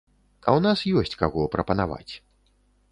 А ў нас ёсць каго прапанаваць.